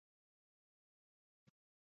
افغانستان د هرات د پلوه ځانته ځانګړتیا لري.